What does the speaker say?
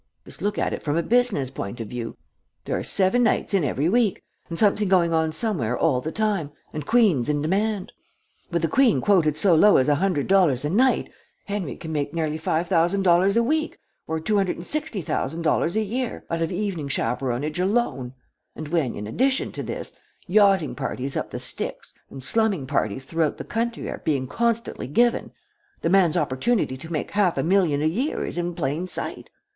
Just look at it from a business point of view. There are seven nights in every week, and something going on somewhere all the time, and queens in demand. With a queen quoted so low as $100 a night, Henry can make nearly $5000 a week, or $260,000 a year, out of evening chaperonage alone; and when, in addition to this, yachting parties up the Styx and slumming parties throughout the country are being constantly given, the man's opportunity to make half a million a year is in plain sight.